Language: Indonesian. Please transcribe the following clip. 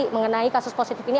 mengenai kasus positif ini